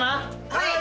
はい。